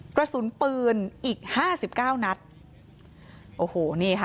กระสุนปืนอีก๕๙นัตย์